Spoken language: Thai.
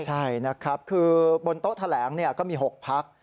ใช่นะครับคือบนโต๊ะแถลงก็มี๖พัก